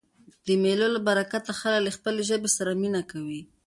د مېلو له برکته خلک له خپلي ژبي سره مینه کوي.